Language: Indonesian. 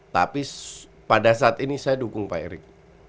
tapi pada saat ini saya dukung pak erik